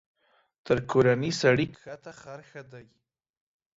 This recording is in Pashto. تر کورني سړي کښته خر ښه دى.